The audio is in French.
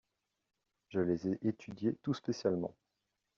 Je les ai étudiés tout spécialement.